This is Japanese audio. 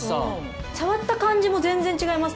触った感じも全然違います。